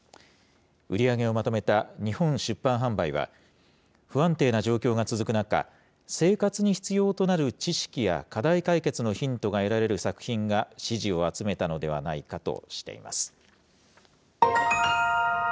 売り上げをまとめた日本出版販売は、不安定な状況が続く中、生活に必要となる知識や課題解決のヒントが得られる作品が支持を集めたのではないかとしています。